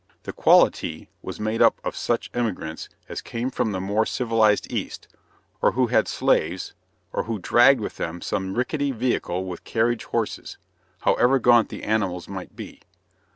"The quality" was made up of such emigrants as came from the more civilized East, or who had slaves, or who dragged with them some rickety vehicle with carriage horses however gaunt the animals might be.